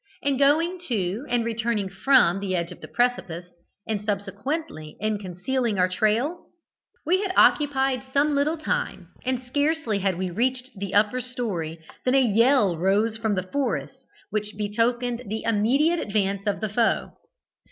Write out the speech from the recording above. In going to and returning from the edge of the precipice, and subsequently in concealing our trail, we had occupied some little time; and scarcely had we reached the upper story, than a yell arose from the forest which betokened the immediate advance of the foe.